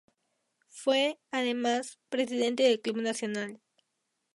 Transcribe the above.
Fue, además, presidente del Club Nacional.